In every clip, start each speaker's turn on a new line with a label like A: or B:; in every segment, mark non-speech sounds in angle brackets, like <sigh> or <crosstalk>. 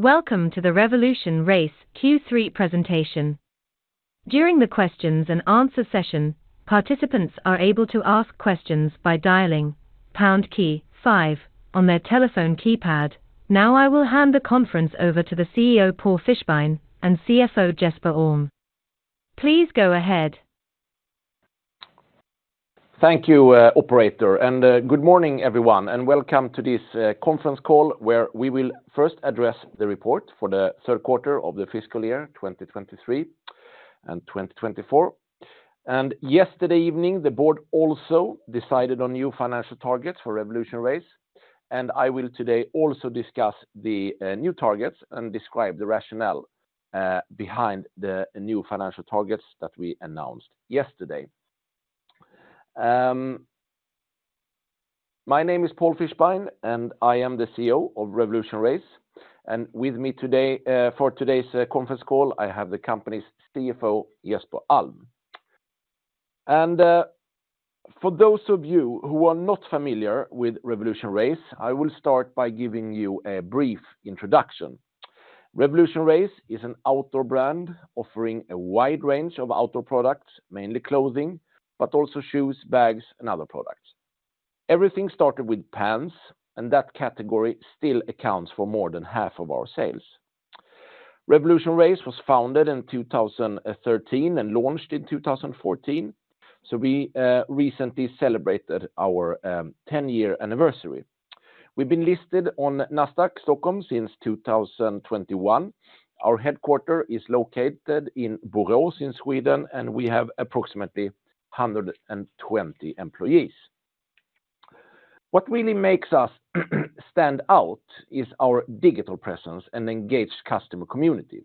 A: Welcome to the RevolutionRace Q3 presentation. During the questions and answers session, participants are able to ask questions by dialing pound key five on their telephone keypad. Now I will hand the conference over to the CEO Paul Fischbein and CFO Jesper Alm. Please go ahead.
B: Thank you, Operator, and good morning everyone, and welcome to this conference call where we will first address the report for the third quarter of the fiscal year 2023 and 2024. Yesterday evening the board also decided on new financial targets for RevolutionRace, and I will today also discuss the new targets and describe the rationale behind the new financial targets that we announced yesterday. My name is Paul Fischbein and I am the CEO of RevolutionRace, and with me today for today's conference call I have the company's CFO Jesper Alm. For those of you who are not familiar with RevolutionRace, I will start by giving you a brief introduction. RevolutionRace is an outdoor brand offering a wide range of outdoor products, mainly clothing, but also shoes, bags, and other products. Everything started with pants, and that category still accounts for more than half of our sales. RevolutionRace was founded in 2013 and launched in 2014, so we recently celebrated our 10-year anniversary. We've been listed on Nasdaq Stockholm since 2021, our headquarters is located in Borås in Sweden, and we have approximately 120 employees. What really makes us stand out is our digital presence and engaged customer community,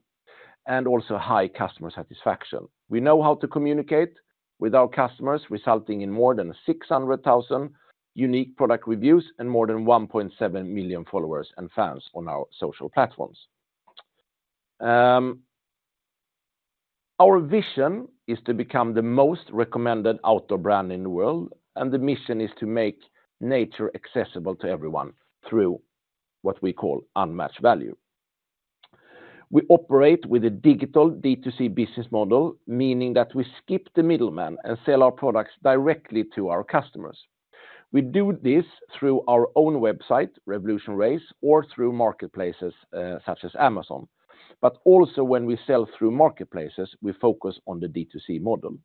B: and also high customer satisfaction. We know how to communicate with our customers, resulting in more than 600,000 unique product reviews and more than 1.7 million followers and fans on our social platforms. Our vision is to become the most recommended outdoor brand in the world, and the mission is to make nature accessible to everyone through what we call unmatched value. We operate with a digital D2C business model, meaning that we skip the middleman and sell our products directly to our customers. We do this through our own website, RevolutionRace, or through marketplaces such as Amazon, but also when we sell through marketplaces we focus on the D2C model.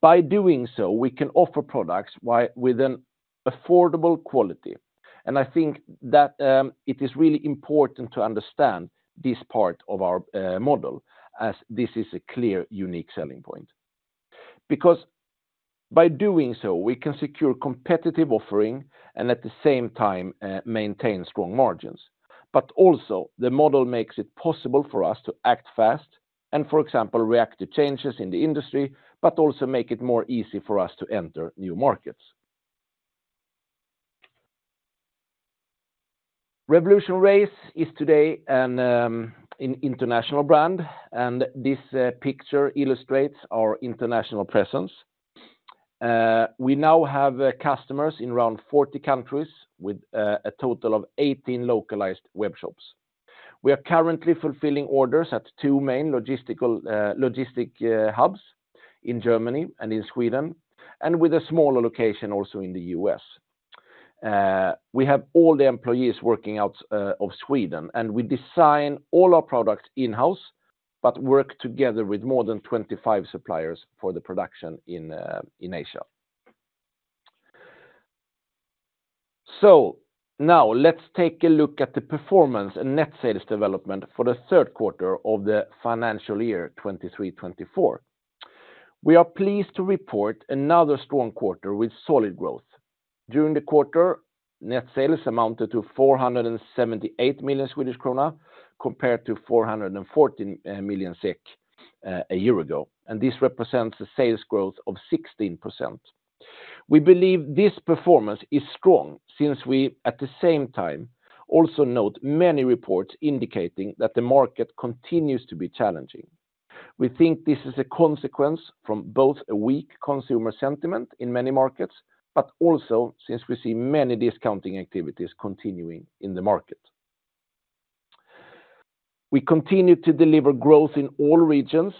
B: By doing so we can offer products with an affordable quality, and I think that it is really important to understand this part of our model as this is a clear unique selling point. Because by doing so we can secure competitive offering and at the same time maintain strong margins, but also the model makes it possible for us to act fast and, for example, react to changes in the industry but also make it more easy for us to enter new markets. RevolutionRace is today an international brand, and this picture illustrates our international presence. We now have customers in around 40 countries with a total of 18 localized web shops. We are currently fulfilling orders at two main logistics hubs in Germany and in Sweden, and with a smaller location also in the U.S. We have all the employees working out of Sweden, and we design all our products in-house but work together with more than 25 suppliers for the production in Asia. So now let's take a look at the performance and net sales development for the third quarter of the financial year 2023/2024. We are pleased to report another strong quarter with solid growth. During the quarter net sales amounted to 478 million Swedish krona compared to 414 million SEK a year ago, and this represents a sales growth of 16%. We believe this performance is strong since we at the same time also note many reports indicating that the market continues to be challenging. We think this is a consequence from both a weak consumer sentiment in many markets but also since we see many discounting activities continuing in the market. We continue to deliver growth in all regions.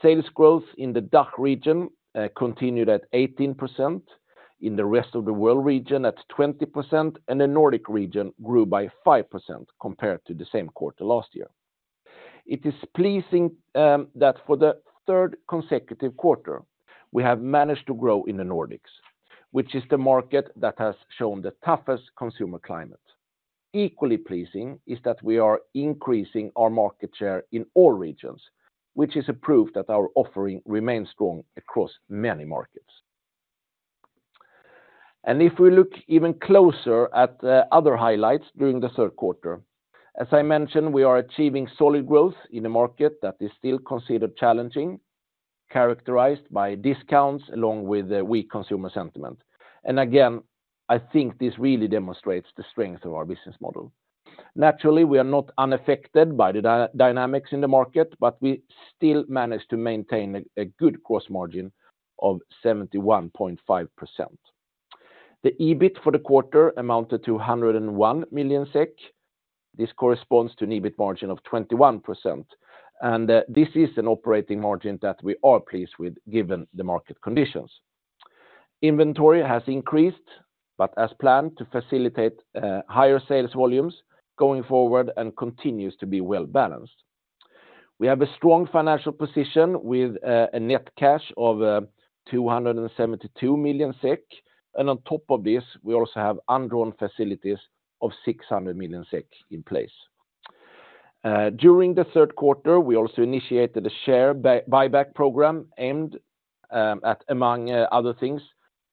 B: Sales growth in the DACH region continued at 18%, in the Rest of the World region at 20%, and the Nordic region grew by 5% compared to the same quarter last year. It is pleasing that for the third consecutive quarter we have managed to grow in the Nordics, which is the market that has shown the toughest consumer climate. Equally pleasing is that we are increasing our market share in all regions, which is a proof that our offering remains strong across many markets. If we look even closer at other highlights during the third quarter, as I mentioned we are achieving solid growth in a market that is still considered challenging, characterized by discounts along with weak consumer sentiment, and again I think this really demonstrates the strength of our business model. Naturally we are not unaffected by the dynamics in the market, but we still manage to maintain a good gross margin of 71.5%. The EBIT for the quarter amounted to 101 million SEK, this corresponds to an EBIT margin of 21%, and this is an operating margin that we are pleased with given the market conditions. Inventory has increased, but as planned to facilitate higher sales volumes going forward and continues to be well balanced. We have a strong financial position with a net cash of 272 million SEK, and on top of this we also have undrawn facilities of 600 million SEK in place. During the third quarter we also initiated a share buyback program aimed at, among other things,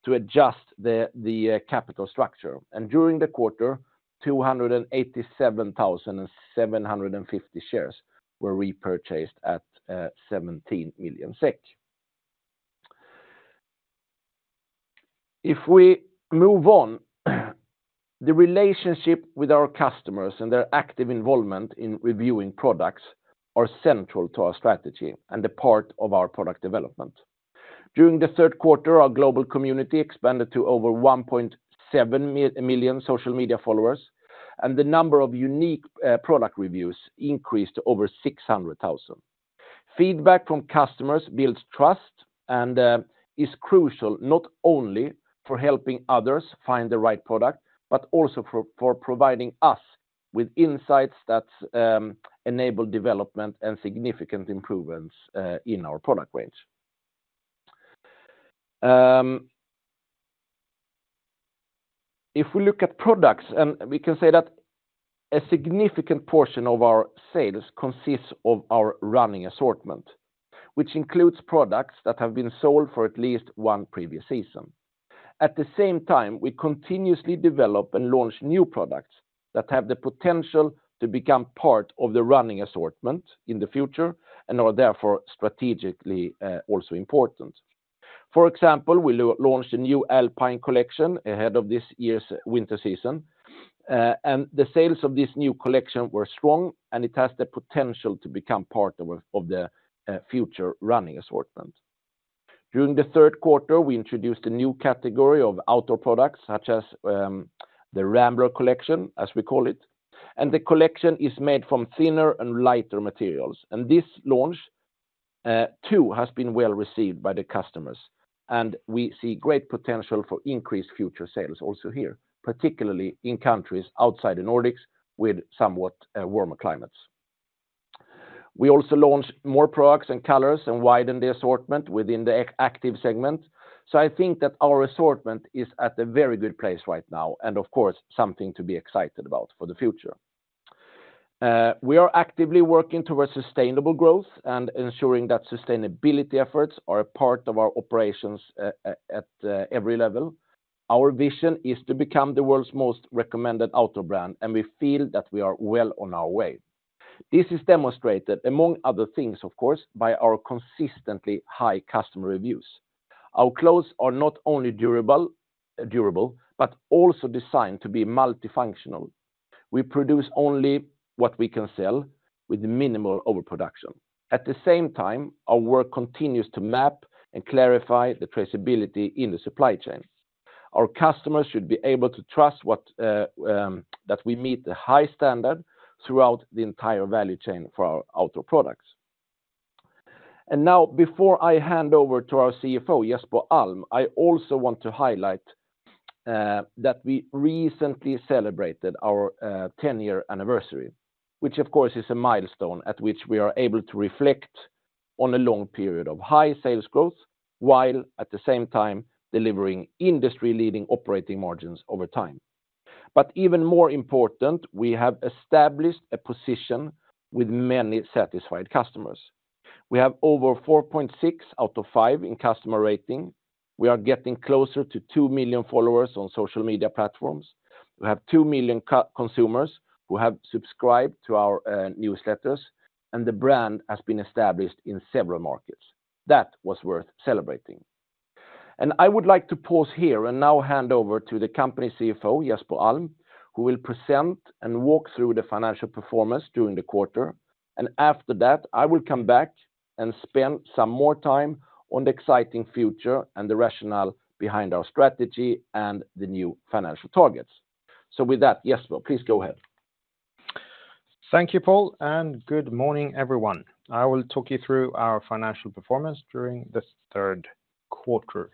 B: to adjust the capital structure, and during the quarter 287,750 shares were repurchased at SEK 17 million. If we move on, the relationship with our customers and their active involvement in reviewing products are central to our strategy and a part of our product development. During the third quarter our global community expanded to over 1.7 million social media followers, and the number of unique product reviews increased to over 600,000. Feedback from customers builds trust and is crucial not only for helping others find the right product but also for providing us with insights that enable development and significant improvements in our product range. If we look at products, we can say that a significant portion of our sales consists of our running assortment, which includes products that have been sold for at least one previous season. At the same time we continuously develop and launch new products that have the potential to become part of the running assortment in the future and are therefore strategically also important. For example, we launched a new Alpine Collection ahead of this year's winter season, and the sales of this new collection were strong and it has the potential to become part of the future running assortment. During the third quarter we introduced a new category of outdoor products such as the Rambler Collection, as we call it, and the collection is made from thinner and lighter materials, and this launch too has been well received by the customers, and we see great potential for increased future sales also here, particularly in countries outside the Nordics with somewhat warmer climates. We also launched more products and colors and widened the assortment within the Active segment, so I think that our assortment is at a very good place right now and of course something to be excited about for the future. We are actively working towards sustainable growth and ensuring that sustainability efforts are a part of our operations at every level. Our vision is to become the world's most recommended outdoor brand, and we feel that we are well on our way. This is demonstrated, among other things of course, by our consistently high customer reviews. Our clothes are not only durable but also designed to be multifunctional. We produce only what we can sell with minimal overproduction. At the same time our work continues to map and clarify the traceability in the supply chain. Our customers should be able to trust that we meet the high standard throughout the entire value chain for our outdoor products. And now before I hand over to our CFO Jesper Alm, I also want to highlight that we recently celebrated our 10-year anniversary, which of course is a milestone at which we are able to reflect on a long period of high sales growth while at the same time delivering industry-leading operating margins over time. But even more important, we have established a position with many satisfied customers. We have over 4.6 out of 5 in customer rating, we are getting closer to 2 million followers on social media platforms, we have 2 million consumers who have subscribed to our newsletters, and the brand has been established in several markets. That was worth celebrating. I would like to pause here and now hand over to the company CFO Jesper Alm, who will present and walk through the financial performance during the quarter, and after that I will come back and spend some more time on the exciting future and the rationale behind our strategy and the new financial targets. With that, Jesper, please go ahead.
C: Thank you, Paul, and good morning everyone. I will talk you through our financial performance during the third quarter.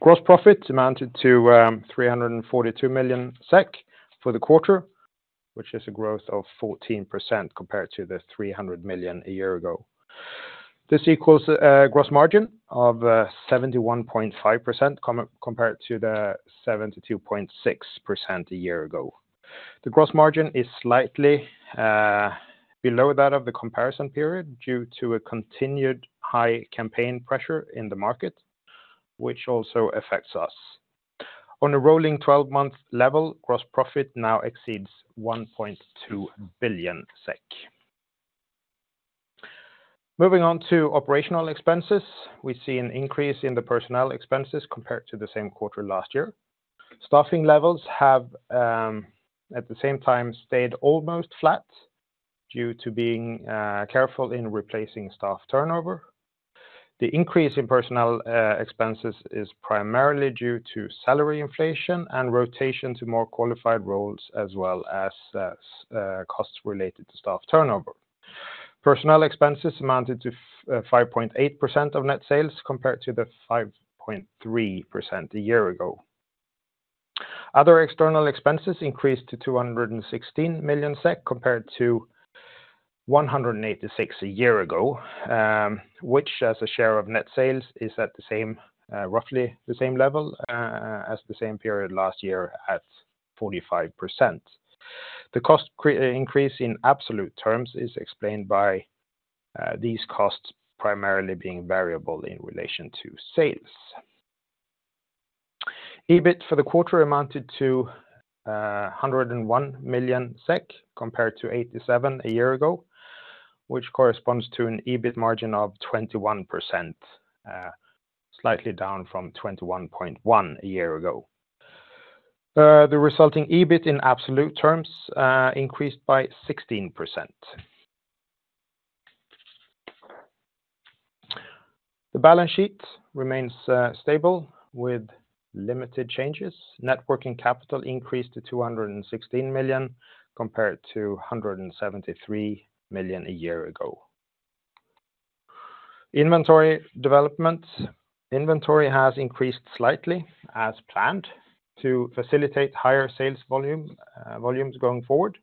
C: Gross profit amounted to 342 million SEK for the quarter, which is a growth of 14% compared to the 300 million a year ago. This equals a gross margin of 71.5% compared to the 72.6% a year ago. The gross margin is slightly below that of the comparison period due to a continued high campaign pressure in the market, which also affects us. On a rolling 12-month level gross profit now exceeds 1.2 billion SEK. Moving on to operational expenses, we see an increase in the personnel expenses compared to the same quarter last year. Staffing levels have at the same time stayed almost flat due to being careful in replacing staff turnover. The increase in personnel expenses is primarily due to salary inflation and rotation to more qualified roles as well as costs related to staff turnover. Personnel expenses amounted to 5.8% of net sales compared to the 5.3% a year ago. Other external expenses increased to 216 million SEK compared to 186 million a year ago, which as a share of net sales is at roughly the same level as the same period last year at 45%. The cost increase in absolute terms is explained by these costs primarily being variable in relation to sales. EBIT for the quarter amounted to 101 million SEK compared to 87 million a year ago, which corresponds to an EBIT margin of 21%, slightly down from 21.1% a year ago. The resulting EBIT in absolute terms increased by 16%. The balance sheet remains stable with limited changes. Net Working Capital increased to 216 million compared to 173 million a year ago. Inventory development: Inventory has increased slightly as planned to facilitate higher sales volumes going forward,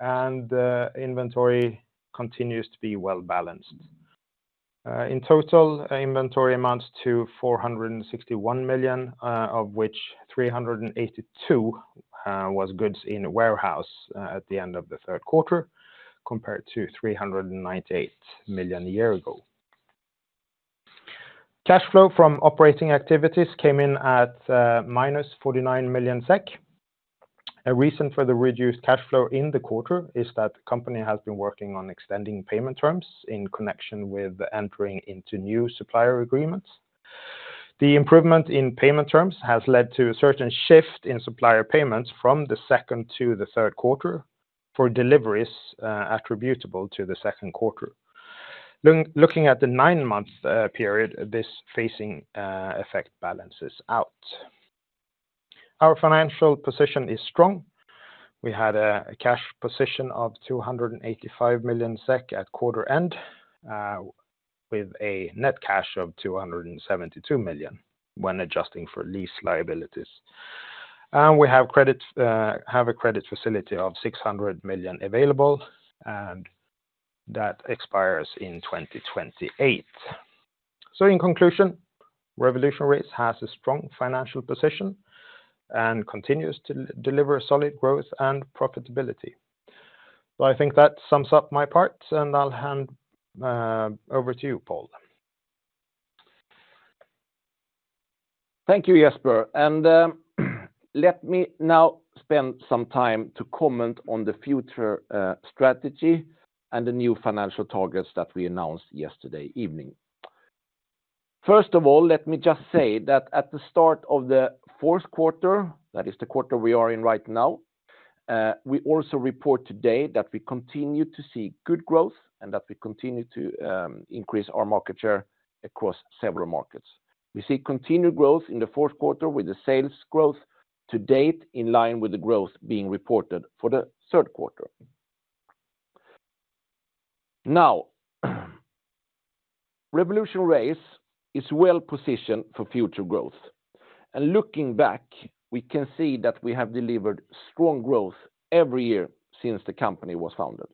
C: and inventory continues to be well balanced. In total inventory amounts to 461 million, of which 382 million was goods in warehouse at the end of the third quarter compared to 398 million a year ago. Cash flow from operating activities came in at -49 million SEK. A reason for the reduced cash flow in the quarter is that the company has been working on extending payment terms in connection with entering into new supplier agreements. The improvement in payment terms has led to a certain shift in supplier payments from the second to the third quarter for deliveries attributable to the second quarter. Looking at the nine-month period this phasing effect balances out. Our financial position is strong. We had a cash position of 285 million SEK at quarter end with a net cash of 272 million when adjusting for lease liabilities. We have a credit facility of 600 million available, and that expires in 2028. In conclusion RevolutionRace has a strong financial position and continues to deliver solid growth and profitability. I think that sums up my part, and I'll hand over to you, Paul.
B: Thank you, Jesper. Let me now spend some time to comment on the future strategy and the new financial targets that we announced yesterday evening. First of all let me just say that at the start of the fourth quarter, that is the quarter we are in right now, we also report today that we continue to see good growth and that we continue to increase our market share across several markets. We see continued growth in the fourth quarter with the sales growth to date in line with the growth being reported for the third quarter. Now, RevolutionRace is well positioned for future growth, and looking back we can see that we have delivered strong growth every year since the company was founded.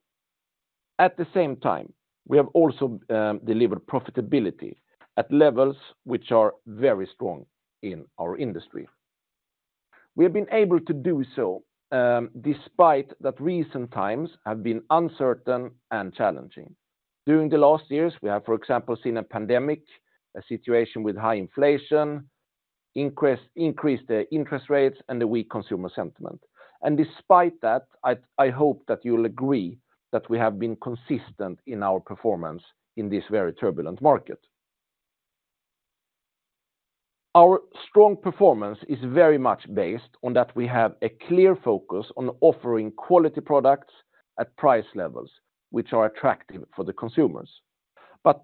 B: At the same time we have also delivered profitability at levels which are very strong in our industry. We have been able to do so despite that recent times have been uncertain and challenging. During the last years we have for example seen a pandemic, a situation with high inflation, increased interest rates, and a weak consumer sentiment, and despite that I hope that you'll agree that we have been consistent in our performance in this very turbulent market. Our strong performance is very much based on that we have a clear focus on offering quality products at price levels which are attractive for the consumers.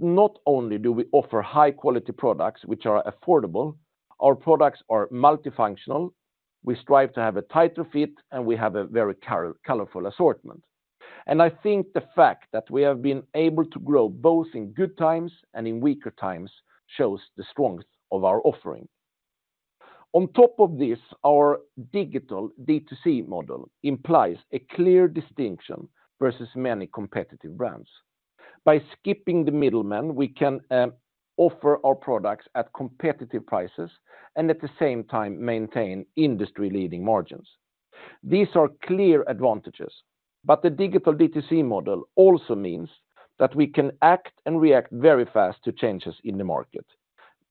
B: Not only do we offer high-quality products which are affordable, our products are multifunctional, we strive to have a tighter fit, and we have a very colorful assortment. I think the fact that we have been able to grow both in good times and in weaker times shows the strength of our offering. On top of this our digital D2C model implies a clear distinction versus many competitive brands. By skipping the middleman we can offer our products at competitive prices and at the same time maintain industry-leading margins. These are clear advantages, but the digital D2C model also means that we can act and react very fast to changes in the market,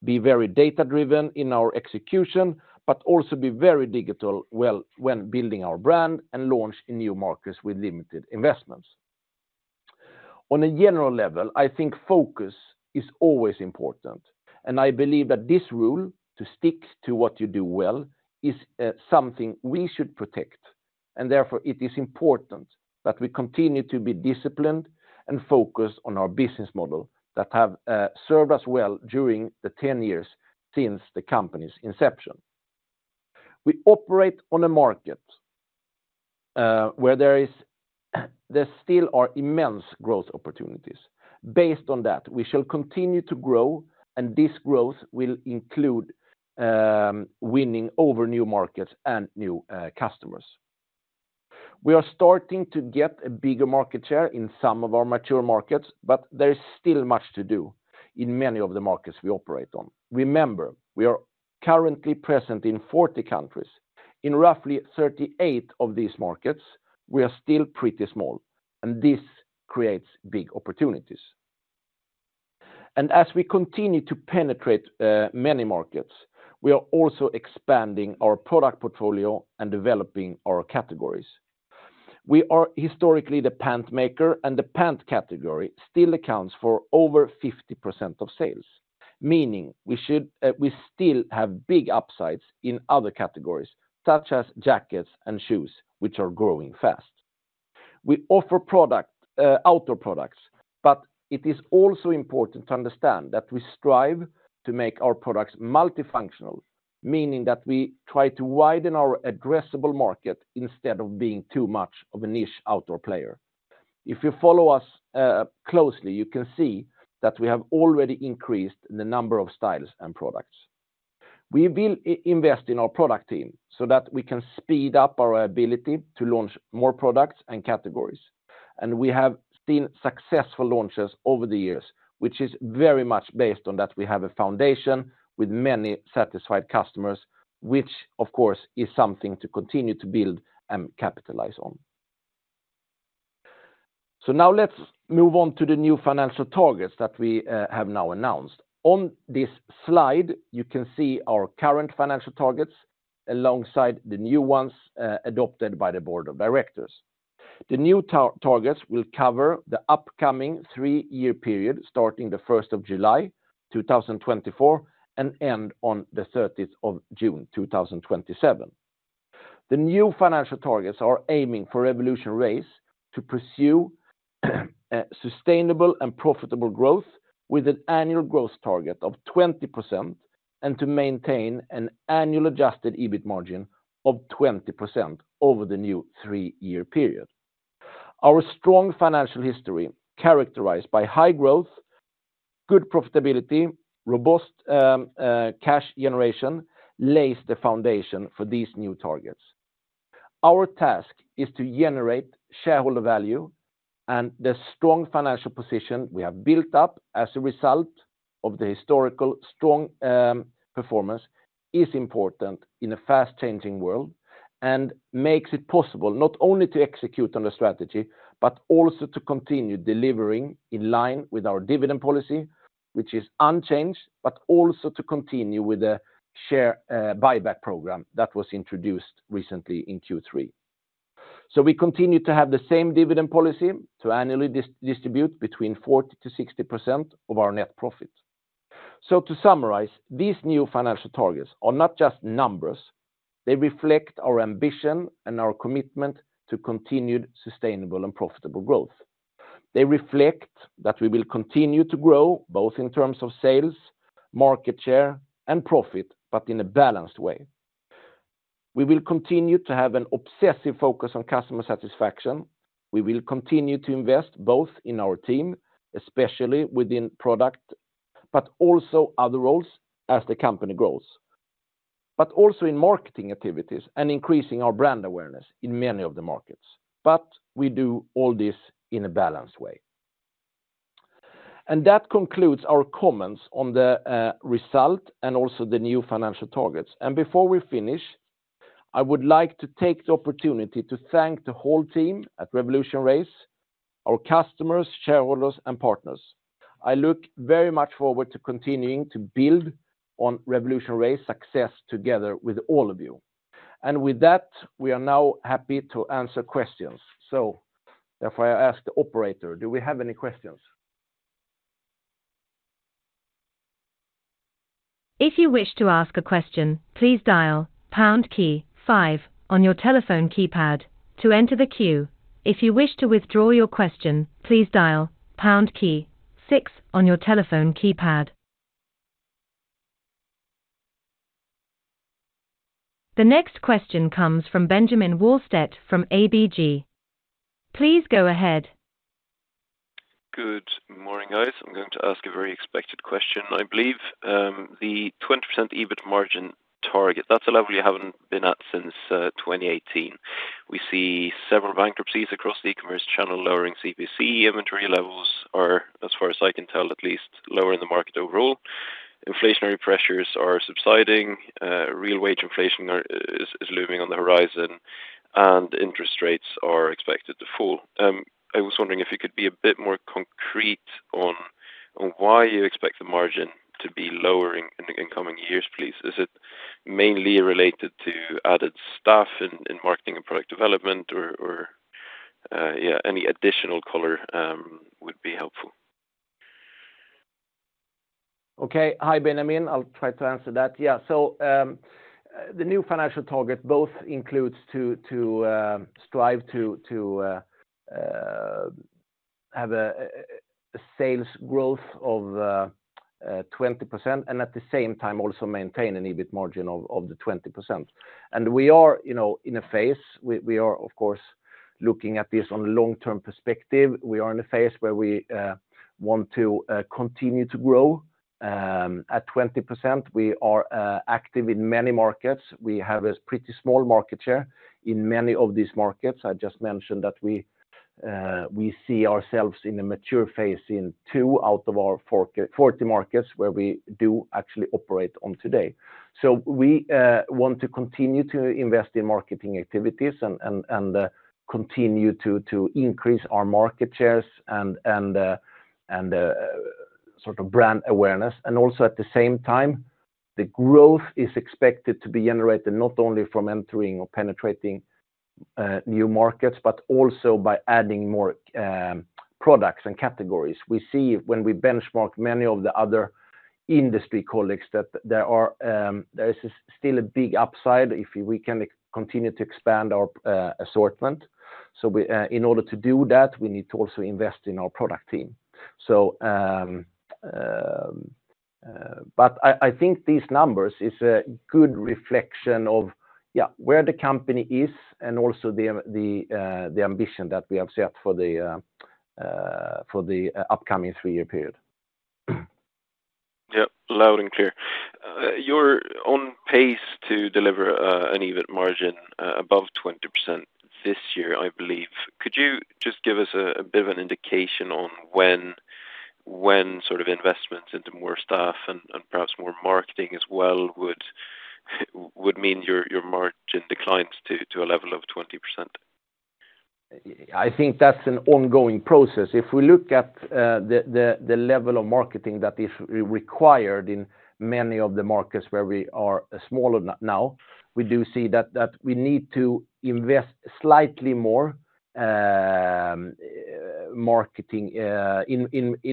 B: be very data-driven in our execution, but also be very digital when building our brand and launching in new markets with limited investments. On a general level I think focus is always important, and I believe that this rule "to stick to what you do well" is something we should protect, and therefore it is important that we continue to be disciplined and focused on our business model that has served us well during the 10 years since the company's inception. We operate on a market where there still are immense growth opportunities. Based on that we shall continue to grow, and this growth will include winning over new markets and new customers. We are starting to get a bigger market share in some of our mature markets, but there is still much to do in many of the markets we operate on. Remember we are currently present in 40 countries. In roughly 38 of these markets we are still pretty small, and this creates big opportunities. As we continue to penetrate many markets we are also expanding our product portfolio and developing our categories. We are historically the pants maker, and the pants category still accounts for over 50% of sales, meaning we still have big upsides in other categories such as jackets and shoes which are growing fast. We offer outdoor products, but it is also important to understand that we strive to make our products multifunctional, meaning that we try to widen our addressable market instead of being too much of a niche outdoor player. If you follow us closely you can see that we have already increased the number of styles and products. We will invest in our product team so that we can speed up our ability to launch more products and categories, and we have seen successful launches over the years, which is very much based on that we have a foundation with many satisfied customers, which of course is something to continue to build and capitalize on. So now let's move on to the new financial targets that we have now announced. On this slide you can see our current financial targets alongside the new ones adopted by the board of directors. The new targets will cover the upcoming three-year period starting the 1st of July 2024 and end on the 30th of June 2027. The new financial targets are aiming for RevolutionRace to pursue sustainable and profitable growth with an annual growth target of 20% and to maintain an annual adjusted EBIT margin of 20% over the new three-year period. Our strong financial history, characterized by high growth, good profitability, and robust cash generation, lays the foundation for these new targets. Our task is to generate shareholder value, and the strong financial position we have built up as a result of the historical strong performance is important in a fast-changing world and makes it possible not only to execute on the strategy but also to continue delivering in line with our dividend policy, which is unchanged, but also to continue with the share buyback program that was introduced recently in Q3. So we continue to have the same dividend policy to annually distribute between 40%-60% of our net profit. So to summarize, these new financial targets are not just numbers, they reflect our ambition and our commitment to continued sustainable and profitable growth. They reflect that we will continue to grow both in terms of sales, market share, and profit, but in a balanced way. We will continue to have an obsessive focus on customer satisfaction. We will continue to invest both in our team, especially within product, but also other roles as the company grows. But also in marketing activities and increasing our brand awareness in many of the markets. But we do all this in a balanced way. And that concludes our comments on the result and also the new financial targets, and before we finish I would like to take the opportunity to thank the whole team at RevolutionRace, our customers, shareholders, and partners. I look very much forward to continuing to build on RevolutionRace's success together with all of you. And with that we are now happy to answer questions. So therefore I ask the operator: Do we have any questions?
A: If you wish to ask a question, please dial pound key, five on your telephone keypad to enter the queue. If you wish to withdraw your question, please dial pound key, six on your telephone keypad. The next question comes from Benjamin Wahlstedt from ABG. Please go ahead.
D: Good morning guys. I'm going to ask a very expected question. I believe the 20% EBIT margin target, that's a level you haven't been at since 2018. We see several bankruptcies across the e-commerce channel lowering CPC inventory levels are, as far as I can tell at least, lower in the market overall. Inflationary pressures are subsiding, real wage inflation is looming on the horizon, and interest rates are expected to fall. I was wondering if you could be a bit more concrete on why you expect the margin to be lowering in the coming years, please. Is it mainly related to added staff in marketing and product development, or yeah, any additional color would be helpful?
B: Okay, hi Benjamin. I'll try to answer that. Yeah, so the new financial target both includes to strive to have a sales growth of 20% and at the same time also maintain an EBIT margin of the 20%. We are in a phase, we are of course looking at this on a long-term perspective, we are in a phase where we want to continue to grow at 20%. We are active in many markets, we have a pretty small market share in many of these markets. I just mentioned that we see ourselves in a mature phase in two out of our 40 markets where we do actually operate on today. So we want to continue to invest in marketing activities and continue to increase our market shares and sort of brand awareness, and also at the same time the growth is expected to be generated not only from entering or penetrating new markets but also by adding more products and categories. We see when we benchmark many of the other industry colleagues that there is still a big upside if we can continue to expand our assortment. So in order to do that we need to also invest in our product team. But I think these numbers is a good reflection of where the company is and also the ambition that we have set for the upcoming three-year period.
D: Yep, loud and clear. You're on pace to deliver an EBIT margin above 20% this year I believe. Could you just give us a bit of an indication on when sort of investments into more staff and perhaps more marketing as well would mean your margin declines to a level of 20%?
B: I think that's an ongoing process. If we look at the level of marketing that is required in many of the markets where we are smaller now, we do see that we need to invest slightly more in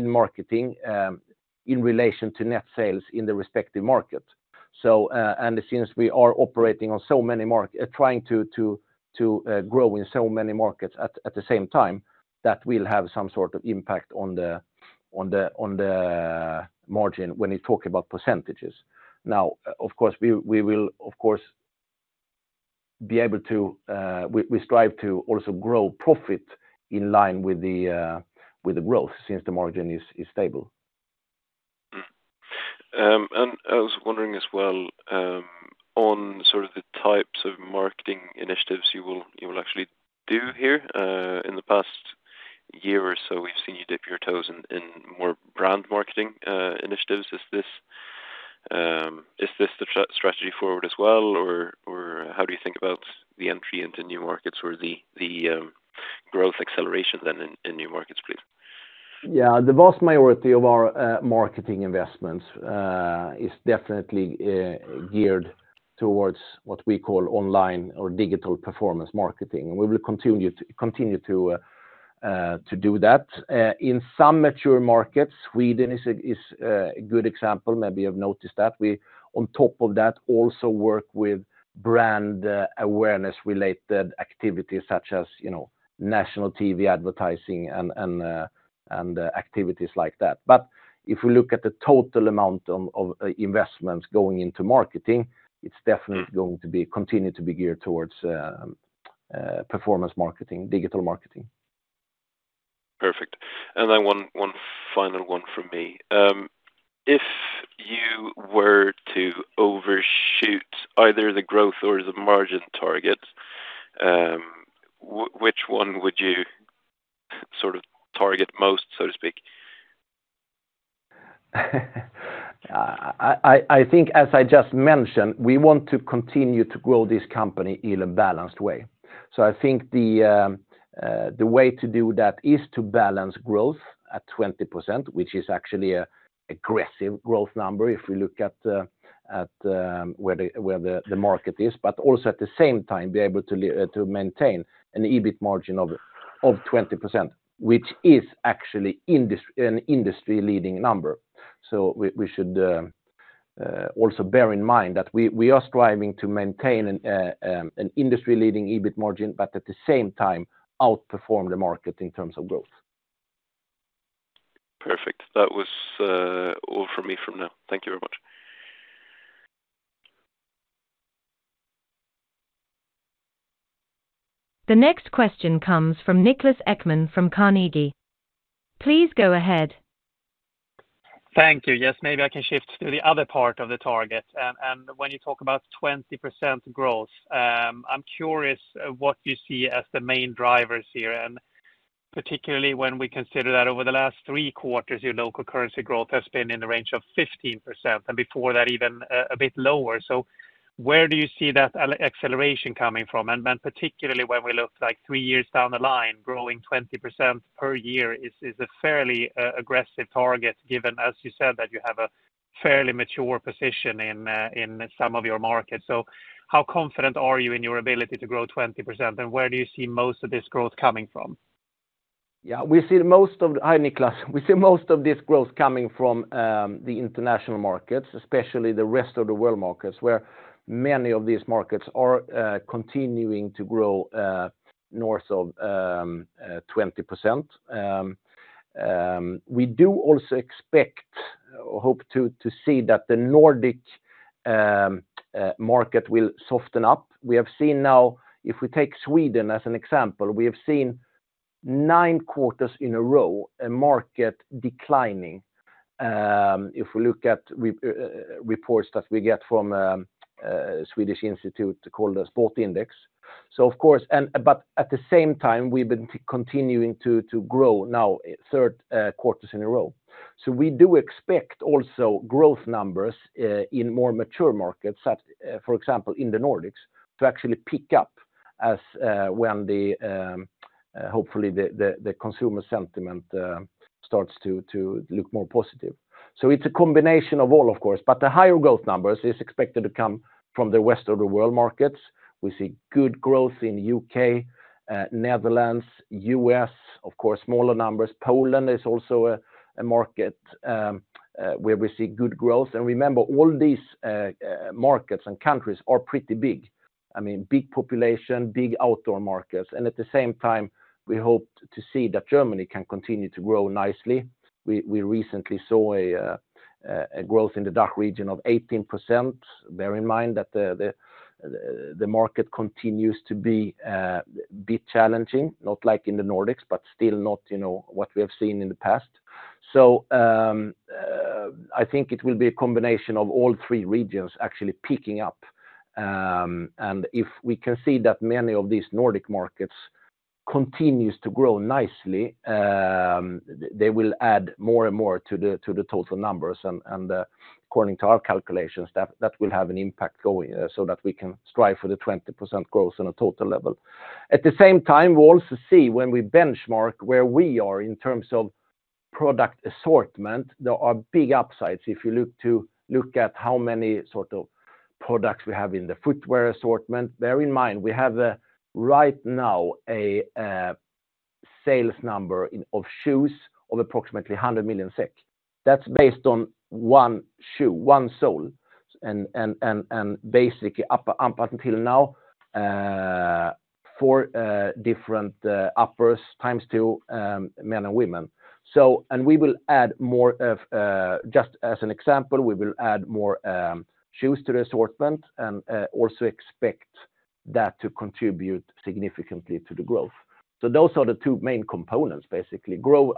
B: marketing in relation to net sales in the respective market. And since we are operating on so many markets, trying to grow in so many markets at the same time, that will have some sort of impact on the margin when you talk about percentages. Now, of course we will of course be able to, we strive to also grow profit in line with the growth since the margin is stable.
D: I was wondering as well on sort of the types of marketing initiatives you will actually do here. In the past year or so we've seen you dip your toes in more brand marketing initiatives. Is this the strategy forward as well, or how do you think about the entry into new markets or the growth acceleration then in new markets, please?
B: Yeah, the vast majority of our marketing investments is definitely geared towards what we call online or digital performance marketing, and we will continue to do that. In some mature markets, Sweden is a good example, maybe you have noticed that. We on top of that also work with brand awareness-related activities such as national TV advertising and activities like that. But if we look at the total amount of investments going into marketing, it's definitely going to continue to be geared towards performance marketing, digital marketing.
D: Perfect. And then one final one from me. If you were to overshoot either the growth or the margin targets, which one would you sort of target most, so to speak?
B: I think as I just mentioned, we want to continue to grow this company in a balanced way. So I think the way to do that is to balance growth at 20%, which is actually an aggressive growth number if we look at where the market is, but also at the same time be able to maintain an EBIT margin of 20%, which is actually an industry-leading number. So we should also bear in mind that we are striving to maintain an industry-leading EBIT margin, but at the same time outperform the market in terms of growth.
D: Perfect. That was all from me for now. Thank you very much.
A: The next question comes from Niklas Ekman from Carnegie. Please go ahead.
E: Thank you. Yes, maybe I can shift to the other part of the target. When you talk about 20% growth, I'm curious what you see as the main drivers here, and particularly when we consider that over the last three quarters your local currency growth has been in the range of 15% and before that even a bit lower. Where do you see that acceleration coming from? Particularly when we look three years down the line, growing 20% per year is a fairly aggressive target given, as you said, that you have a fairly mature position in some of your markets. How confident are you in your ability to grow 20%, and where do you see most of this growth coming from?
B: Yeah, Hi, Niklas. We see most of this growth coming from the international markets, especially the rest of the world markets where many of these markets are continuing to grow north of 20%. We do also expect or hope to see that the Nordic market will soften up. We have seen now, if we take Sweden as an example, we have seen nine quarters in a row a market declining if we look at reports that we get from a Swedish institute called the Sportindex. So of course, but at the same time we've been continuing to grow now three quarters in a row. So we do expect also growth numbers in more mature markets, for example in the Nordics, to actually pick up when hopefully the consumer sentiment starts to look more positive. So it's a combination of all of course, but the higher growth numbers is expected to come from the rest of the world markets. We see good growth in the U.K., Netherlands, U.S., of course smaller numbers. Poland is also a market where we see good growth. And remember all these markets and countries are pretty big. I mean, big population, big outdoor markets. And at the same time we hope to see that Germany can continue to grow nicely. We recently saw a growth in the DACH region of 18%. Bear in mind that the market continues to be a bit challenging, not like in the Nordics, but still not what we have seen in the past. So I think it will be a combination of all three regions actually picking up. If we can see that many of these Nordic markets continue to grow nicely, they will add more and more to the total numbers. According to our calculations, that will have an impact going so that we can strive for the 20% growth on a total level. At the same time we also see when we benchmark where we are in terms of product assortment, there are big upsides if you look at how many sort of products we have in the footwear assortment. Bear in mind we have right now a sales number of shoes of approximately 100 million SEK. That's based on one shoe, one sole. And basically up until now, four different uppers times two, men and women. And we will add more, just as an example, we will add more shoes to the assortment and also expect that to contribute significantly to the growth. Those are the two main components basically. Grow,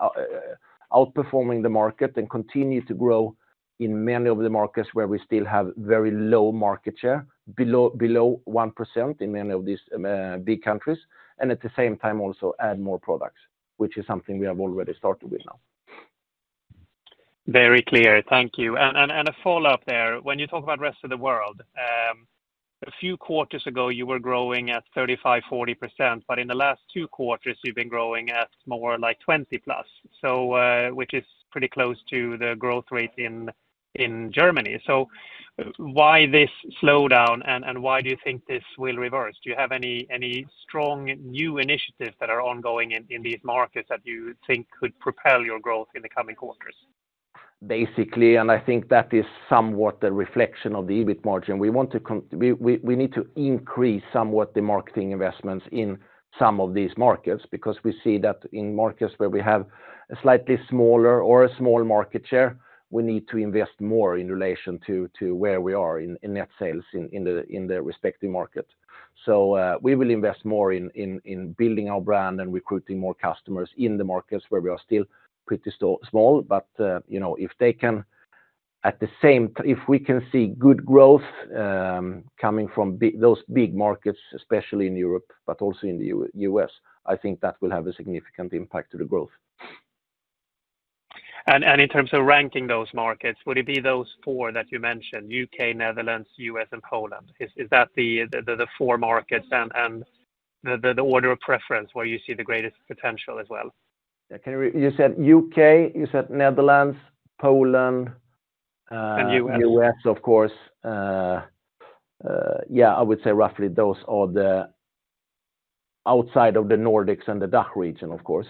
B: outperforming the market, and continue to grow in many of the markets where we still have very low market share, below 1% in many of these big countries. At the same time also add more products, which is something we have already started with now.
E: Very clear. Thank you. And a follow-up there. When you talk about rest of the world, a few quarters ago you were growing at 35%-40%, but in the last two quarters you've been growing at more like 20%+, which is pretty close to the growth rate in Germany. So why this slowdown and why do you think this will reverse? Do you have any strong new initiatives that are ongoing in these markets that you think could propel your growth in the coming quarters?
B: Basically, I think that is somewhat the reflection of the EBIT margin. We need to increase somewhat the marketing investments in some of these markets because we see that in markets where we have a slightly smaller or a small market share, we need to invest more in relation to where we are in net sales in the respective market. So we will invest more in building our brand and recruiting more customers in the markets where we are still pretty small. But if they can at the same if we can see good growth coming from those big markets, especially in Europe, but also in the U.S., I think that will have a significant impact to the growth.
E: In terms of ranking those markets, would it be those four that you mentioned? U.K., Netherlands, U.S., and Poland. Is that the four markets and the order of preference where you see the greatest potential as well?
B: Yeah, can you repeat? You said U.K., you said Netherlands, Poland, U.S., of course. Yeah, I would say roughly those are the outside of the Nordics and the DACH region, of course.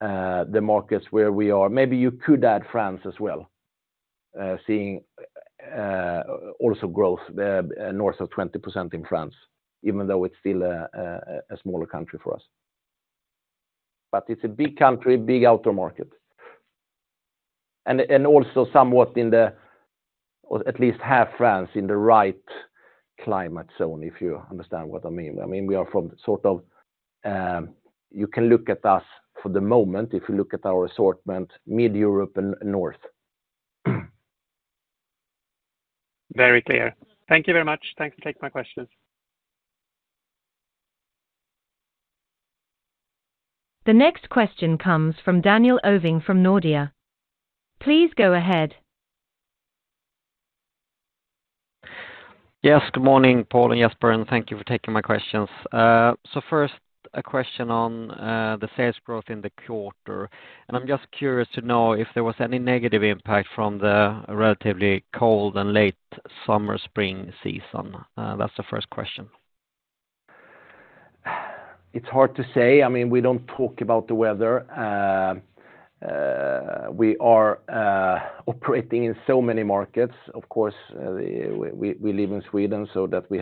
B: The markets where we are maybe you could add France as well, seeing also growth north of 20% in France, even though it's still a smaller country for us. But it's a big country, big outdoor market. And also somewhat in the at least half France in the right climate zone if you understand what I mean. I mean, we are from sort of you can look at us for the moment if you look at our assortment mid-Europe and north.
E: Very clear. Thank you very much. Thanks for taking my questions.
A: The next question comes from Daniel Ovin from Nordea. Please go ahead.
F: Yes, good morning Paul and Jesper. Thank you for taking my questions. First a question on the sales growth in the quarter. I'm just curious to know if there was any negative impact from the relatively cold and late summer-spring season. That's the first question.
B: It's hard to say. I mean, we don't talk about the weather. We are operating in so many markets. Of course, we live in Sweden so that we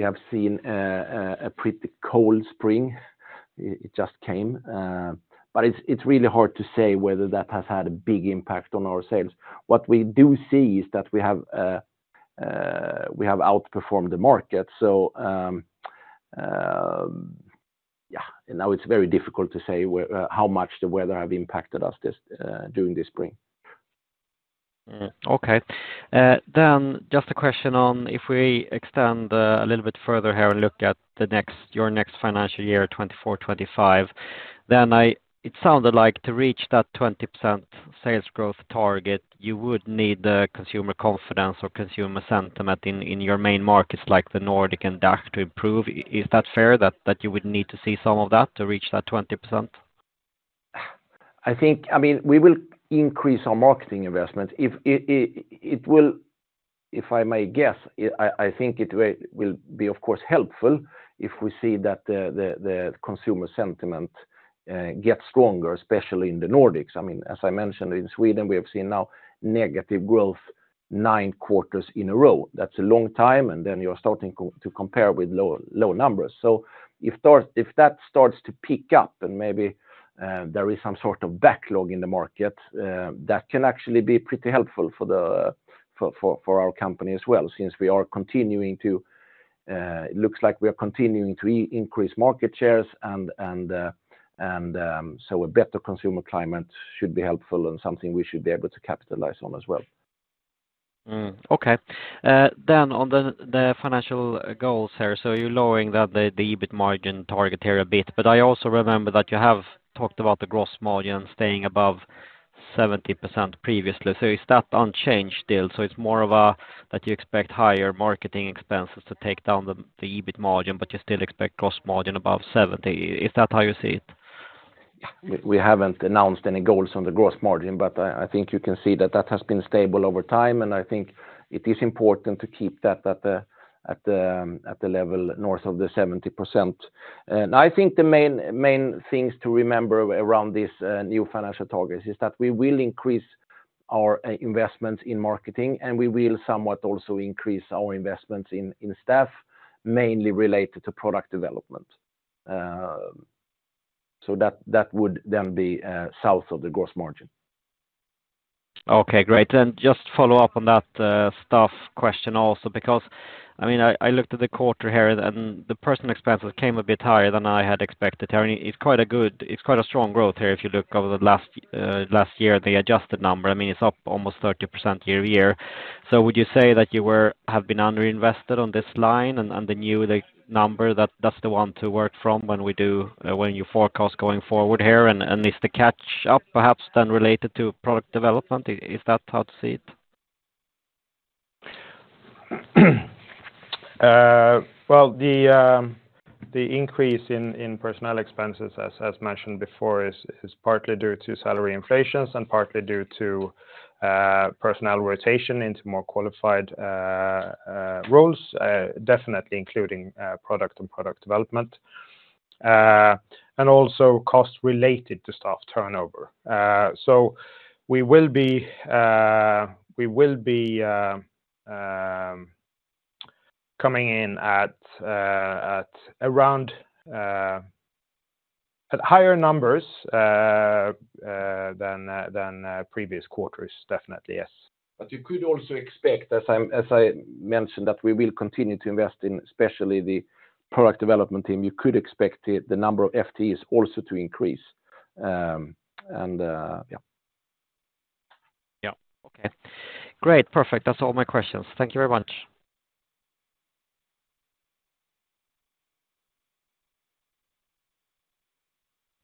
B: have seen a pretty cold spring. It just came. It's really hard to say whether that has had a big impact on our sales. What we do see is that we have outperformed the market. Yeah, now it's very difficult to say how much the weather has impacted us during this spring.
F: Okay. Then just a question on if we extend a little bit further here and look at your next financial year, 2024/2025, then it sounded like to reach that 20% sales growth target, you would need the consumer confidence or consumer sentiment in your main markets like the Nordic and DACH to improve. Is that fair that you would need to see some of that to reach that 20%?
B: I think, I mean, we will increase our marketing investments. It will, if I may guess, I think it will be, of course, helpful if we see that the consumer sentiment gets stronger, especially in the Nordics. I mean, as I mentioned, in Sweden we have seen now negative growth 9 quarters in a row. That's a long time, and then you're starting to compare with low numbers. So if that starts to pick up and maybe there is some sort of backlog in the market, that can actually be pretty helpful for our company as well since we are continuing to it looks like we are continuing to increase market shares, and so a better consumer climate should be helpful and something we should be able to capitalize on as well.
F: Okay. Then on the financial goals here, so you're lowering that the EBIT margin target here a bit. But I also remember that you have talked about the gross margin staying above 70% previously. So is that unchanged still? So it's more of a that you expect higher marketing expenses to take down the EBIT margin, but you still expect gross margin above 70%. Is that how you see it?
B: Yeah, we haven't announced any goals on the gross margin, but I think you can see that that has been stable over time, and I think it is important to keep that at the level north of the 70%. I think the main things to remember around these new financial targets is that we will increase our investments in marketing, and we will somewhat also increase our investments in staff, mainly related to product development. That would then be south of the gross margin.
F: Okay, great. Then just follow up on that staff question also because, I mean, I looked at the quarter here, and the personal expenses came a bit higher than I had expected here. I mean, it's quite a strong growth here if you look over the last year, the adjusted number. I mean, it's up almost 30% year-over-year. So would you say that you have been underinvested on this line and the new number, that's the one to work from when you forecast going forward here? And is the catch-up perhaps then related to product development? Is that how to see it?
C: Well, the increase in personnel expenses, as mentioned before, is partly due to salary inflations and partly due to personnel rotation into more qualified roles, definitely including product and product development. And also cost-related to staff turnover. So we will be coming in at around higher numbers than previous quarters, definitely, yes.
B: You could also expect, as I mentioned, that we will continue to invest in especially the product development team. You could expect the number of FTEs also to increase. Yeah.
F: Yeah, okay. Great, perfect. That's all my questions. Thank you very much.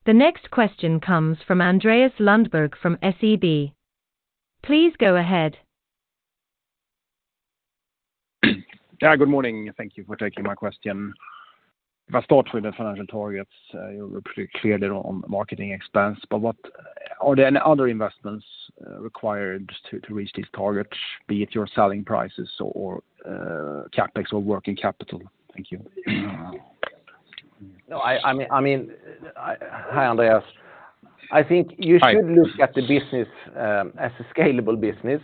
A: The next question comes from Andreas Lundberg from SEB. Please go ahead.
G: Yeah, good morning. Thank you for taking my question. If I start with the financial targets, you were pretty clear there on marketing expense. But are there any other investments required to reach these targets, be it your selling prices or CapEx or working capital? Thank you.
B: No, I mean, hi Andreas. I think you should look at the business as a scalable business.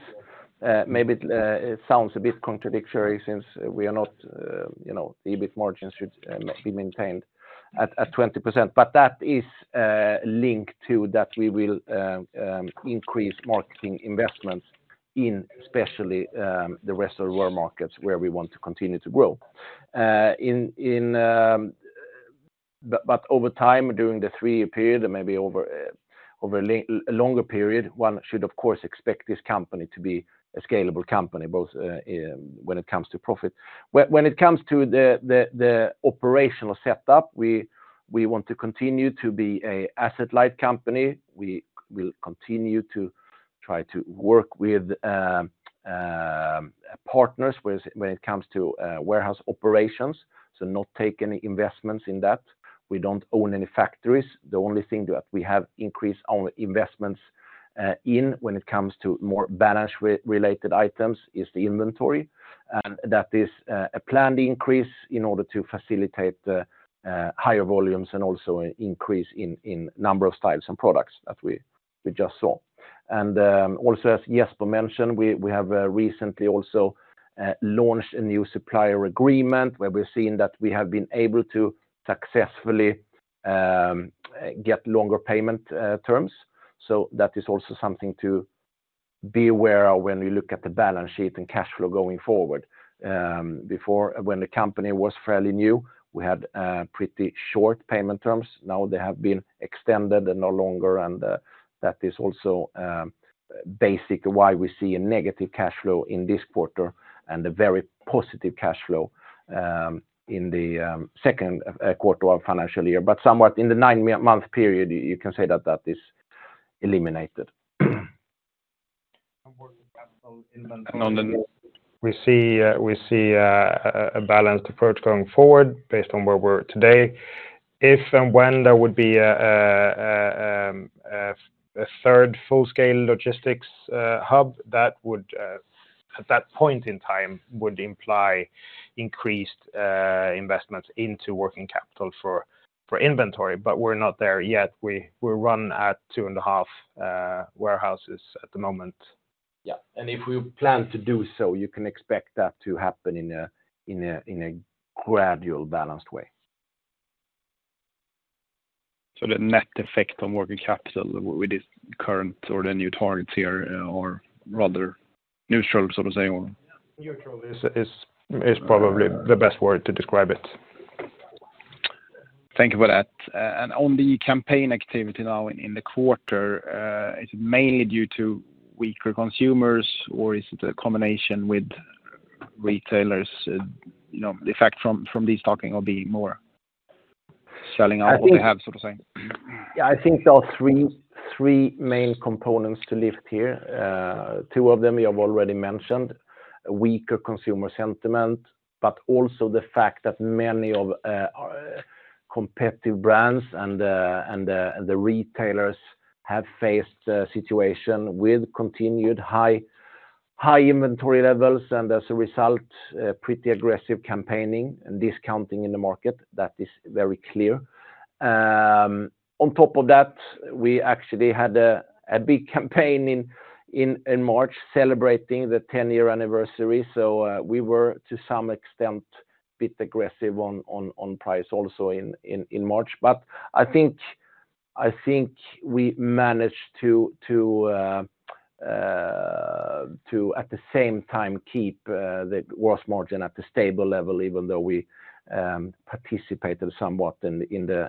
B: Maybe it sounds a bit contradictory since we are not the EBIT margin should be maintained at 20%. But that is linked to that we will increase marketing investments in especially the rest of the world markets where we want to continue to grow. But over time, during the three-year period and maybe over a longer period, one should, of course, expect this company to be a scalable company both when it comes to profit. When it comes to the operational setup, we want to continue to be an asset-light company. We will continue to try to work with partners when it comes to warehouse operations, so not take any investments in that. We don't own any factories. The only thing that we have increased investments in when it comes to more balance-related items is the inventory. That is a planned increase in order to facilitate higher volumes and also an increase in number of styles and products that we just saw. As Jesper mentioned, we have recently also launched a new supplier agreement where we're seeing that we have been able to successfully get longer payment terms. So that is also something to be aware of when you look at the balance sheet and cash flow going forward. When the company was fairly new, we had pretty short payment terms. Now they have been extended and no longer. That is also basically why we see a negative cash flow in this quarter and a very positive cash flow in the second quarter of financial year. Somewhat in the nine-month period, you can say that that is eliminated.
G: <audio distortion>
C: We see a balanced approach going forward based on where we're today. If and when there would be a third full-scale logistics hub, that would at that point in time imply increased investments into working capital for inventory. But we're not there yet. We're run at 2.5 warehouses at the moment.
B: Yeah. If we plan to do so, you can expect that to happen in a gradual balanced way.
G: So the net effect on working capital with these current or the new targets here are rather neutral, so to say?
C: Neutral is probably the best word to describe it.
G: Thank you for that. And on the campaign activity now in the quarter, is it mainly due to weaker consumers, or is it a combination with retailers? The fact from these talking of being more selling out what they have, so to say?
B: Yeah, I think there are three main components to lift here. Two of them you have already mentioned: weaker consumer sentiment, but also the fact that many of our competitive brands and the retailers have faced a situation with continued high inventory levels, and as a result, pretty aggressive campaigning and discounting in the market. That is very clear. On top of that, we actually had a big campaign in March celebrating the 10-year anniversary. So we were, to some extent, a bit aggressive on price also in March. But I think we managed to, at the same time, keep the gross margin at a stable level, even though we participated somewhat in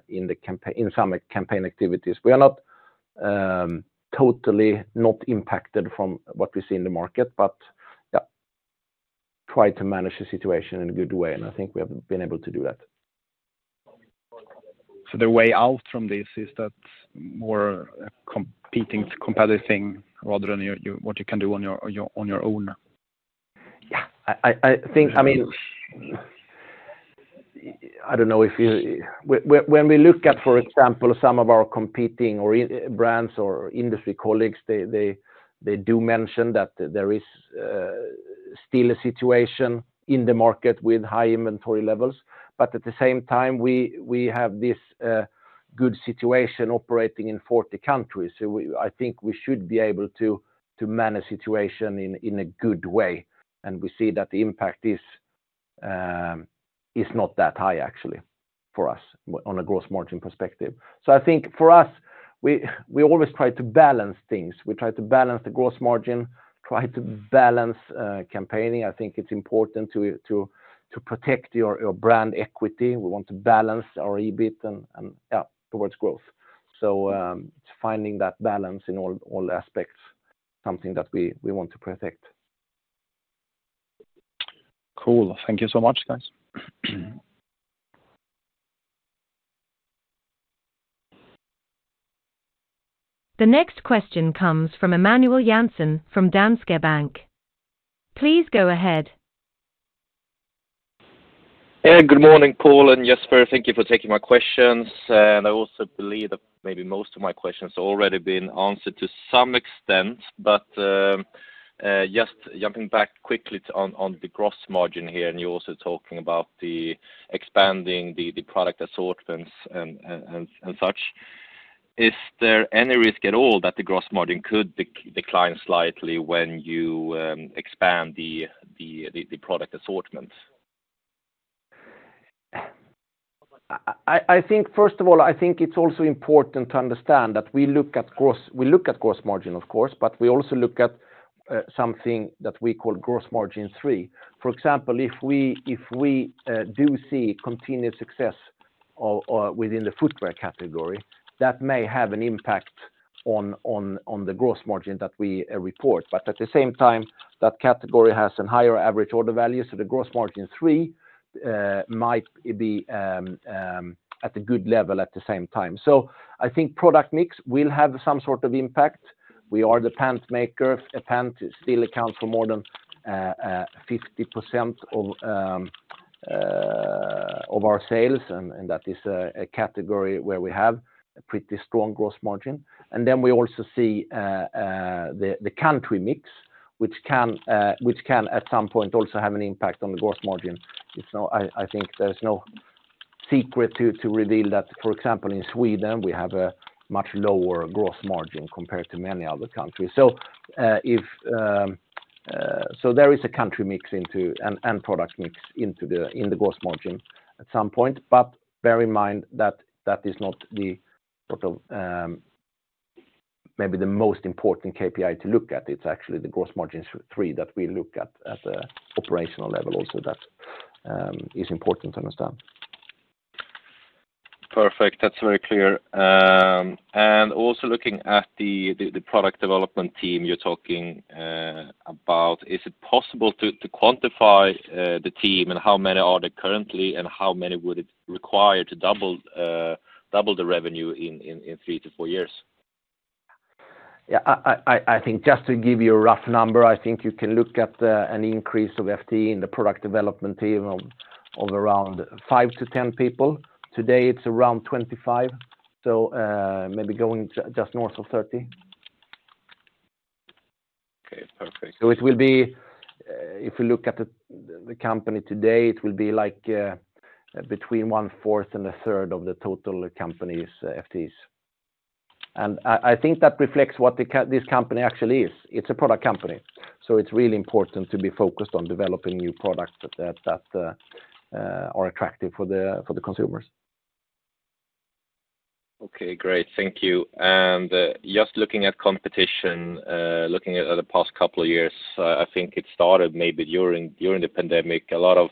B: some campaign activities. We are not totally not impacted from what we see in the market, but yeah, tried to manage the situation in a good way. And I think we have been able to do that.
G: The way out from this is that more competing rather than what you can do on your own?
B: Yeah. I mean, I don't know if you when we look at, for example, some of our competing brands or industry colleagues, they do mention that there is still a situation in the market with high inventory levels. But at the same time, we have this good situation operating in 40 countries. So I think we should be able to manage the situation in a good way. And we see that the impact is not that high, actually, for us on a gross margin perspective. So I think for us, we always try to balance things. We try to balance the gross margin, try to balance campaigning. I think it's important to protect your brand equity. We want to balance our EBIT and yeah, towards growth. So it's finding that balance in all aspects, something that we want to protect.
G: Cool. Thank you so much, guys.
A: The next question comes from Emanuel Jansson from Danske Bank. Please go ahead.
H: Yeah, good morning, Paul and Jesper. Thank you for taking my questions. I also believe that maybe most of my questions have already been answered to some extent. Just jumping back quickly on the gross margin here, and you're also talking about expanding the product assortments and such, is there any risk at all that the Gross Margin could decline slightly when you expand the product assortment?
B: I think, first of all, I think it's also important to understand that we look at Gross Margin, of course, but we also look at something that we call Gross Margin 3. For example, if we do see continued success within the footwear category, that may have an impact on the Gross Margin that we report. But at the same time, that category has a higher average order value, so the Gross Margin 3 might be at a good level at the same time. So I think product mix will have some sort of impact. We are the pant maker. A pant still accounts for more than 50% of our sales, and that is a category where we have a pretty strong Gross Margin. And then we also see the country mix, which can at some point also have an impact on the Gross Margin. I think there's no secret to reveal that, for example, in Sweden, we have a much lower Gross Margin compared to many other countries. So there is a country mix and product mix in the Gross Margin at some point. But bear in mind that that is not maybe the most important KPI to look at. It's actually the Gross Margin 3 that we look at at the operational level also that is important to understand.
H: Perfect. That's very clear. Also looking at the product development team you're talking about, is it possible to quantify the team and how many are there currently and how many would it require to double the revenue in 3 years-4 years?
B: Yeah, I think just to give you a rough number, I think you can look at an increase of FTE in the product development team of around 5-10 people. Today, it's around 25, so maybe going just north of 30.
H: Okay, perfect.
B: It will be if we look at the company today, it will be between 1/4 and 1/3 of the total company's FTEs. I think that reflects what this company actually is. It's a product company. It's really important to be focused on developing new products that are attractive for the consumers.
H: Okay, great. Thank you. Just looking at competition, looking at the past couple of years, I think it started maybe during the pandemic. A lot of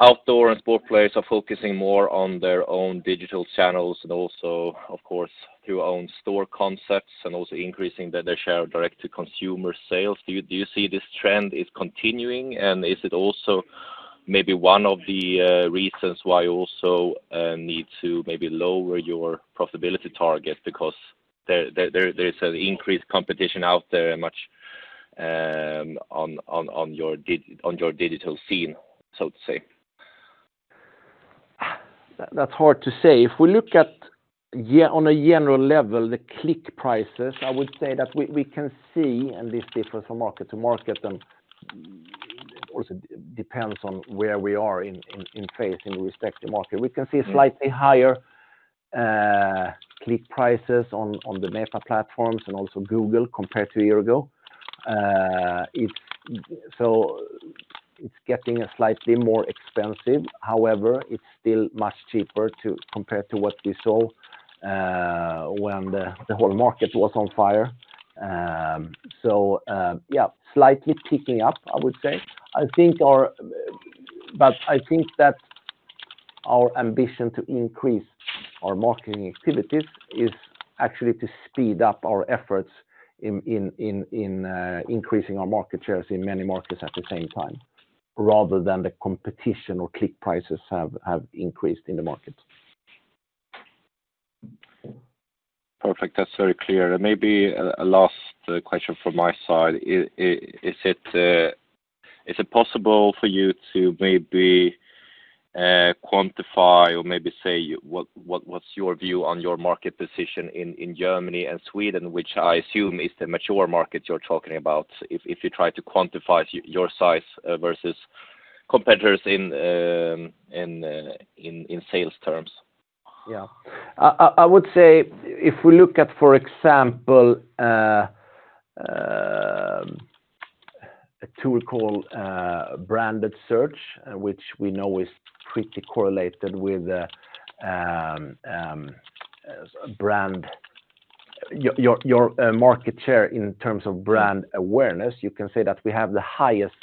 H: outdoor and sport players are focusing more on their own digital channels and also, of course, through own store concepts and also increasing their share of direct-to-consumer sales. Do you see this trend is continuing? And is it also maybe one of the reasons why you also need to maybe lower your profitability target because there is an increased competition out there and much on your digital scene, so to say?
B: That's hard to say. If we look at on a general level, the click prices, I would say that we can see and this differs from market to market, and it also depends on where we are in phase in respect to market. We can see slightly higher click prices on the Meta platforms and also Google compared to a year ago. So it's getting slightly more expensive. However, it's still much cheaper compared to what we saw when the whole market was on fire. So yeah, slightly picking up, I would say. But I think that our ambition to increase our marketing activities is actually to speed up our efforts in increasing our market shares in many markets at the same time rather than the competition or click prices have increased in the market.
H: Perfect. That's very clear. Maybe a last question from my side. Is it possible for you to maybe quantify or maybe say what's your view on your market position in Germany and Sweden, which I assume is the mature market you're talking about if you try to quantify your size versus competitors in sales terms?
B: Yeah. I would say if we look at, for example, a tool called Branded Search, which we know is pretty correlated with your market share in terms of brand awareness, you can say that we have the highest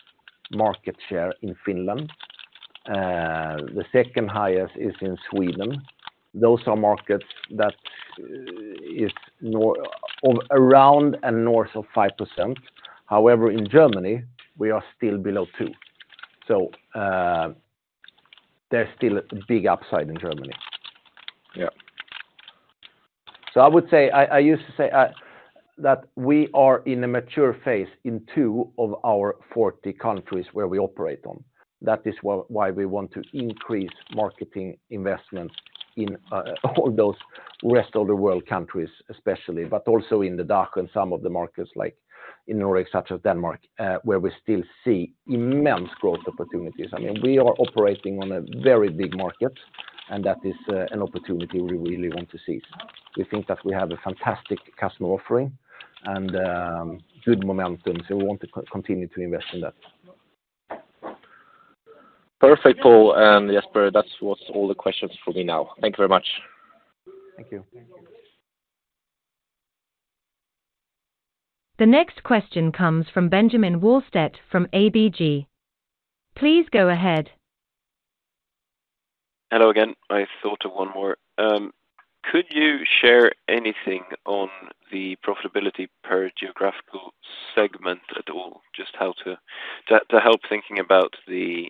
B: market share in Finland. The second highest is in Sweden. Those are markets that is around and north of 5%. However, in Germany, we are still below 2%. So there's still a big upside in Germany. So I would say I used to say that we are in a mature phase in two of our 40 countries where we operate on. That is why we want to increase marketing investments in all those rest of the world countries, especially, but also in the DACH and some of the markets like in Norway, such as Denmark, where we still see immense growth opportunities. I mean, we are operating on a very big market, and that is an opportunity we really want to seize. We think that we have a fantastic customer offering and good momentum, so we want to continue to invest in that.
H: Perfect, Paul and Jesper. That was all the questions for me now. Thank you very much.
B: Thank you.
A: The next question comes from Benjamin Wahlstedt from ABG. Please go ahead.
D: Hello again. I thought of one more. Could you share anything on the profitability per geographical segment at all, just to help thinking about the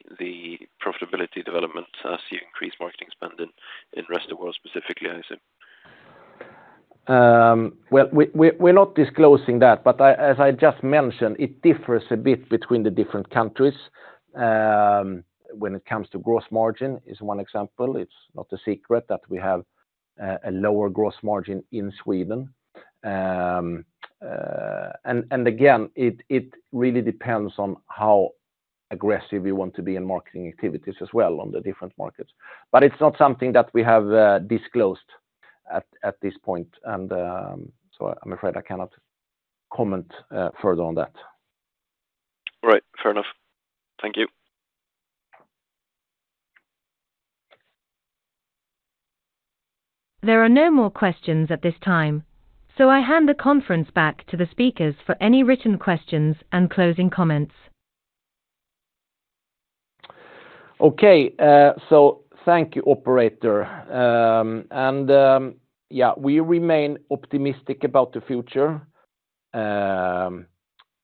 D: profitability development as you increase marketing spend in rest of the world specifically, I assume?
B: Well, we're not disclosing that. But as I just mentioned, it differs a bit between the different countries when it comes to gross margin, is one example. It's not a secret that we have a lower gross margin in Sweden. And again, it really depends on how aggressive we want to be in marketing activities as well on the different markets. But it's not something that we have disclosed at this point. And so I'm afraid I cannot comment further on that.
D: Right. Fair enough. Thank you.
A: There are no more questions at this time, so I hand the conference back to the speakers for any written questions and closing comments.
B: Okay. So thank you, operator. And yeah, we remain optimistic about the future.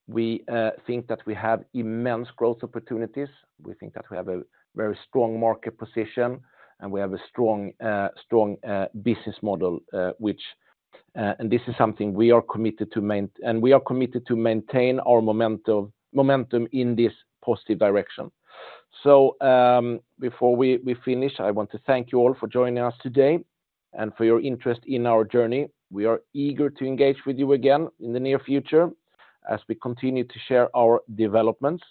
B: We think that we have immense growth opportunities. We think that we have a very strong market position, and we have a strong business model, which this is something we are committed to maintain our momentum in this positive direction. So before we finish, I want to thank you all for joining us today and for your interest in our journey. We are eager to engage with you again in the near future as we continue to share our developments.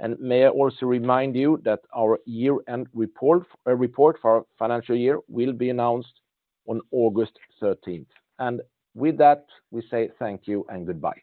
B: And may I also remind you that our year-end report for our financial year will be announced on August 13th. And with that, we say thank you and goodbye.